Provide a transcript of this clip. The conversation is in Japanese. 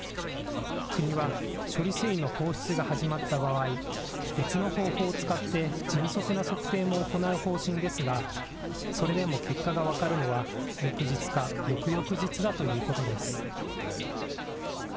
国は処理水の放出が始まった場合、別の方法を使って迅速な測定も行う方針ですが、それでも結果が分かるのは翌日か翌々日だということです。